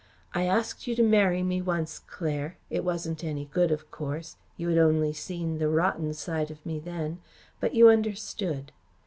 I asked you to marry me once, Claire. It wasn't any good, of course. You had only seen the rotten side of me then, but you understood.